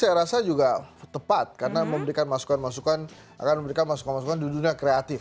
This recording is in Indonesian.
saya rasa juga tepat karena memberikan masukan masukan akan memberikan masukan masukan di dunia kreatif